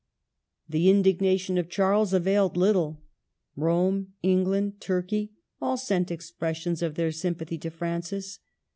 The indignation of Charles availed little. Rome, England, Turkey, all sent expressions of their sympathy to Francis.